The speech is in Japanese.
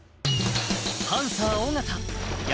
パンサー・尾形安